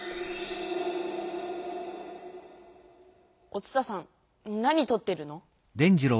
お伝さん何とってるの？